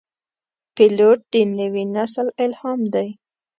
پیلوټ د نوي نسل الهام دی.